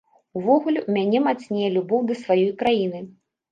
Увогуле, у мяне мацнее любоў да сваёй краіны.